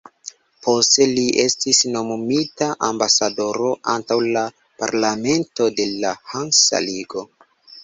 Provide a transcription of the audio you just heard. Poste li estis nomumita ambasadoro antaŭ la parlamento de la Hansa ligo.